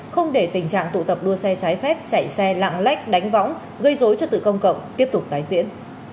không để tình trạng tụ tập đua xe trái phép chạy xe lạng lách đánh võng gây dối trật tự công cộng tiếp tục tái diễn